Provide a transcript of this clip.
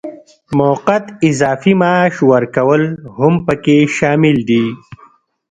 موقت اضافي معاش ورکول هم پکې شامل دي.